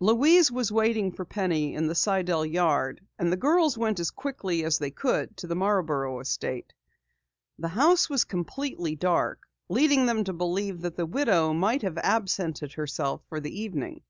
Louise was waiting for Penny in the Sidell yard and the girls went as quickly as they could to the Marborough estate. The house was completely dark, leading them to believe that the widow might have absented herself for the evening.